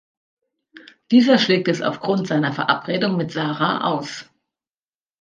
Dieser schlägt es aufgrund seiner Verabredung mit Sarah aus.